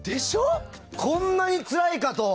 こんなにつらいかと。